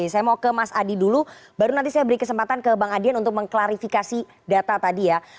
saya mau ke mas adi dulu baru nanti saya beri kesempatan ke bang adian untuk mengklarifikasi data tadi ya